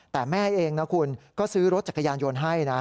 แต่แม่เองนะคุณก็ซื้อรถจักรยานยนต์ให้นะ